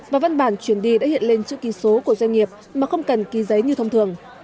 và văn bản chuyển đi đã hiện lên chữ ký số của doanh nghiệp mà không cần ký dịch